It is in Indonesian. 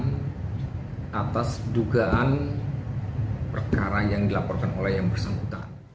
dan atas dugaan perkara yang dilaporkan oleh yang bersangkutan